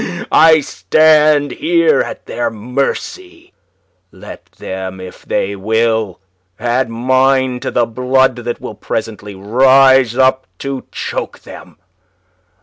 "I stand here at their mercy. Let them, if they will, add mine to the blood that will presently rise up to choke them.